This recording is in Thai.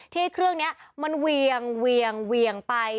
ที่เครื่องนี้มันเวียงไป